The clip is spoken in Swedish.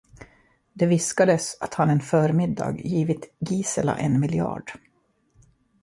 Det viskades att han en förmiddag givit Gisela en miljard.